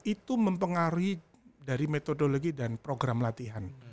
itu mempengaruhi dari metodologi dan program latihan